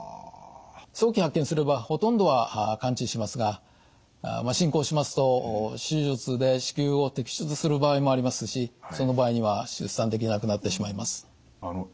早期発見すればほとんどは完治しますが進行しますと手術で子宮を摘出する場合もありますしその場合には出産できなくなってしまいます。